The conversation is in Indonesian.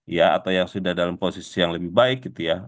ya atau yang sudah dalam posisi yang lebih baik gitu ya